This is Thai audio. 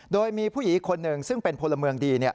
โดยมีผู้หญิงอีกคนหนึ่งซึ่งเป็นพลเมืองดี